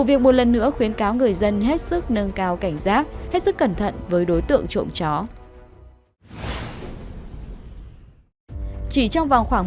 vì vậy mà tệ nạn trộm cắp chó đang chưa thực sự mạnh